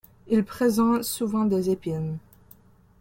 Ils présentent souvent des épines.